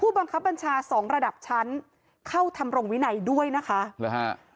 บังคับบัญชาสองระดับชั้นเข้าทำรงวินัยด้วยนะคะหรือฮะ